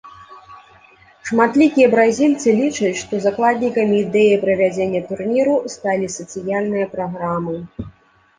Шматлікія бразільцы лічаць, што закладнікам ідэі правядзення турніру сталі сацыяльныя праграмы.